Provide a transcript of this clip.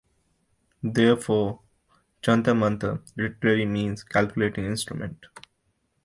Therefore, "Jantar Mantar" literally means 'calculating instrument'.